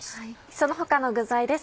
その他の具材です